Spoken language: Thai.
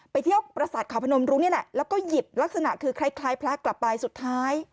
ไปเที่ยวประสาทเขาพนมรุ้งนี่แหละแล้วก็หยิบลักษณะคือคล้ายพระกลับไปสุดท้าย